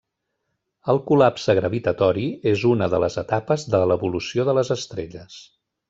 El col·lapse gravitatori és una de les etapes de l'evolució de les estrelles.